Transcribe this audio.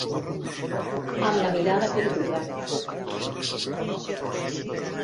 Amb la mirada perduda.